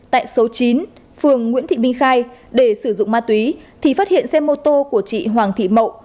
tại số chín phường nguyễn thị minh khai để sử dụng ma túy thì phát hiện xe mô tô của chị hoàng thị mậu